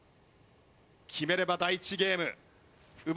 決めれば第１ゲーム奪います。